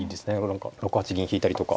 何か６八銀引いたりとか。